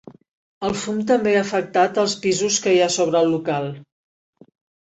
El fum també ha afectat els pisos que hi ha sobre local.